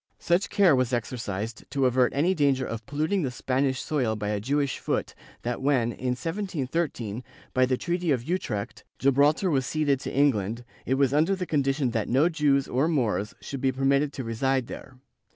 ^ Such care was exercised to avert any danger of polluting the Spanish soil by a Jewish foot that when, in 1713, by the treaty of Utrecht, Gibraltar was ceded to England, it was under the con dition that no Jews or Moors should be permitted to reside there.